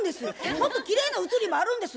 もっときれいな写りもあるんです。